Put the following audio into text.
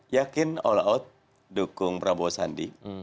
yakin all out dukung prabowo sandi